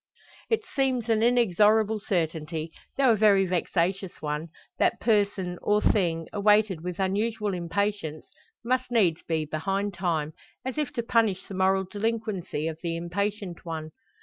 It seems an inexorable certainty though a very vexatious one that person, or thing, awaited with unusual impatience, must needs be behind time as if to punish the moral delinquency of the impatient one.